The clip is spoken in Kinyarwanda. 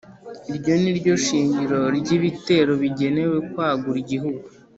iryo ni ryo shingiro ry'ibitero bigenewe kwagura igihugu.